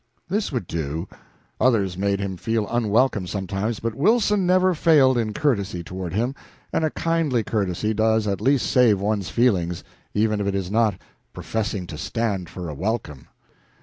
This would do; others made him feel unwelcome sometimes, but Wilson never failed in courtesy toward him, and a kindly courtesy does at least save one's feelings, even if it is not professing to stand for a welcome.